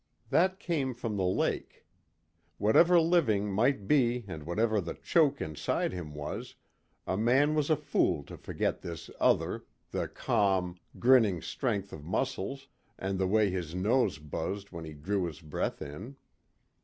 That came from the lake. Whatever living might be and whatever the choke inside him was, a man was a fool to forget this other the calm, grinning strength of muscles and the way his nose buzzed when he drew his breath in.